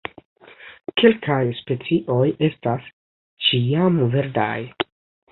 Kelkaj specioj estas ĉiamverdaj.